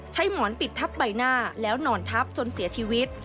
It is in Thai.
หมอนปิดทับใบหน้าแล้วนอนทับจนเสียชีวิต